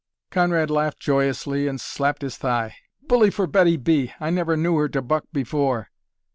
Conrad laughed joyously and slapped his thigh. "Bully for Betty B! I never knew her to buck before."